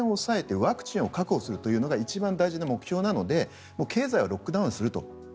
感染を抑えてワクチンを手に入れるのが一番大事な目標なので経済はロックダウンすると。